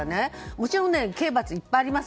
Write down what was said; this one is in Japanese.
もちろん刑罰、いっぱりあります。